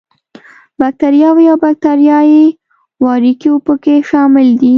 باکټریاوې او باکټریايي وارکیو په کې شامل دي.